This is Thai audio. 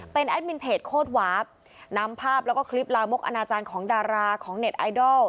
เป็นแอดมินเพจโคตรวาฟนำภาพแล้วก็คลิปลามกอนาจารย์ของดาราของเน็ตไอดอล